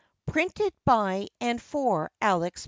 Printed by and for Alex.